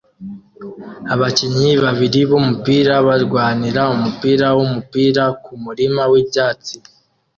Abakinnyi babiri b'umupira barwanira umupira wumupira kumurima wibyatsi